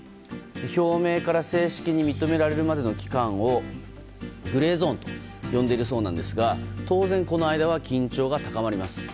表明から正式に認められるまでの期間をグレーゾーンと呼んでいるそうなんですが当然、この間は緊張が高まります。